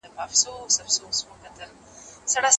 که خویندې انجنیرانې شي نو هیواد به ویجاړ نه وي.